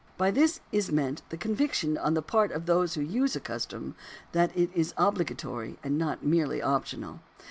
^ By this is meant the conviction on the part of those who use a custom that it is obligatory, and not merely optional.